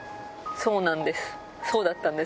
そうなんです。